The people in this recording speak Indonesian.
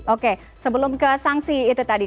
oke sebelum ke sanksi itu tadi